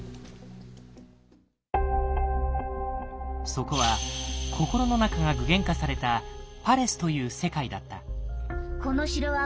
そこは心の中が具現化された「パレス」という世界だった。